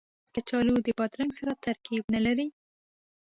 کچالو د بادرنګ سره ترکیب نه لري